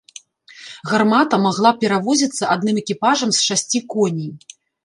Гармата магла перавозіцца адным экіпажам з шасці коней.